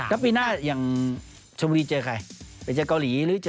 ก็ปีหน้าอย่างชนบุรีเจอใคร